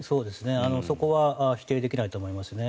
そこは否定できないと思いますね。